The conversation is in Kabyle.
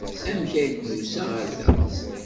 Amek ay d-nusa ɣer da?